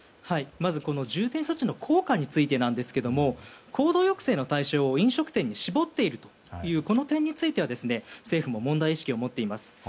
まず重点措置の効果についてなんですが行動抑制の対象を飲食店に絞っているというこの点については政府も問題意識を持っています。